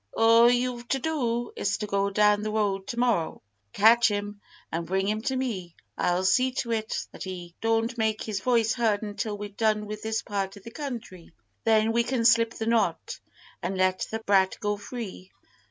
"All you've to do is to go down the road to morrow, catch him, and bring him to me. I'll see to it that he don't make his voice heard until we've done with this part of the country. Then we can slip the knot, and let the brat go free."